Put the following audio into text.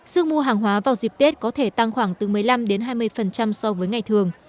sức mua hàng hóa vào dịp tết có thể tăng khoảng từ một mươi năm đến hai mươi so với ngày thường